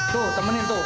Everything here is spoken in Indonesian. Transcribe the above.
tuh temenin tuh